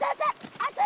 熱い！